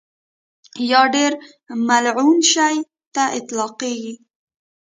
یا ډېر ملعون شي ته اطلاقېږي.